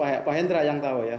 pak hendra yang tahu ya